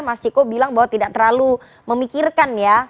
mas ciko bilang bahwa tidak terlalu memikirkan ya